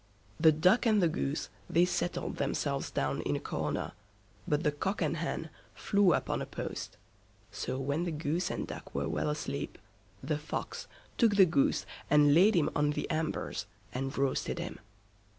The Duck and the Goose, they settled themselves down in a corner, but the Cock and Hen flew up on a post. So when the Goose and Duck were well asleep, the Fox, took the Goose and laid him on the embers, and roasted him.